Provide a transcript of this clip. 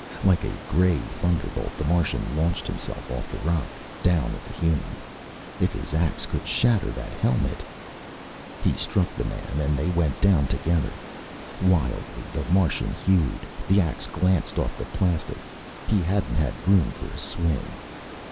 Like a gray thunderbolt, the Martian launched himself off the rock, down at the human. If his axe could shatter that helmet He struck the man and they went down together. Wildly, the Martian hewed. The axe glanced off the plastic he hadn't had room for a swing.